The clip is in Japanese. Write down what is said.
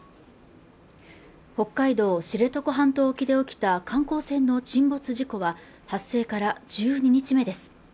北海道・知床半島沖で起きた観光船の沈没事故は発生から１２日目です